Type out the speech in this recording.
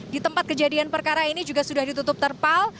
di tempat kejadian perkara ini juga sudah ditutup terpal